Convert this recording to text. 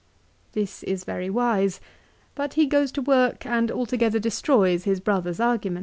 2 This is very wise, but he goes to work and altogether destroys his brother's argument.